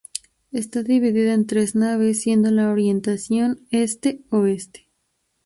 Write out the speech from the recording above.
Está dividida en tres naves, siguiendo la orientación este-oeste.